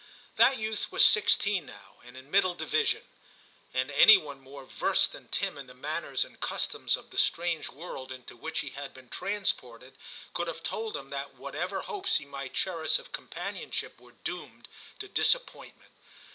That youth was sixteen now, and in Middle Division ; and any one more versed than Tim in the manners and customs of the strange world into which he had been transported, could have told him that whatever hopes he might cherish of companionship V TIM 8s were doomed, to disappointment.